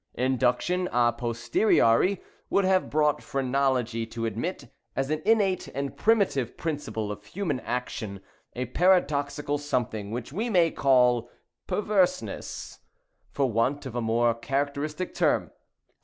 Induction, a posteriori, would have brought phrenology to admit, as an innate and primitive principle of human action, a paradoxical something, which we may call perverseness, for want of a more characteristic term.